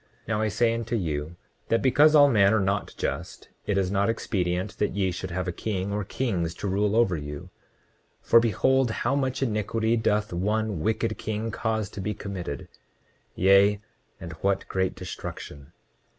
29:16 Now I say unto you, that because all men are not just it is not expedient that ye should have a king or kings to rule over you. 29:17 For behold, how much iniquity doth one wicked king cause to be committed, yea, and what great destruction!